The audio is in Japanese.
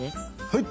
はい！